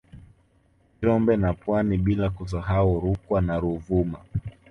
Njombe na Pwani bila kusahau Rukwa na Ruvuma